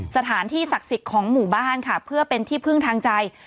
สถานที่ศักดิ์สิทธิ์ของหมู่บ้านค่ะเพื่อเป็นที่พึ่งทางใจ